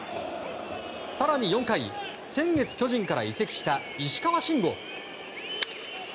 更に４回、先月巨人から移籍した石川慎吾。